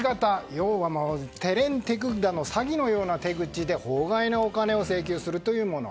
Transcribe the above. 要は、手練手管の詐欺のような手口で法外なお金を請求するというもの。